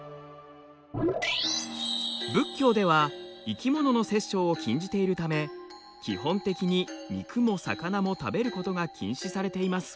仏教では生き物の殺生を禁じているため基本的に肉も魚も食べることが禁止されています。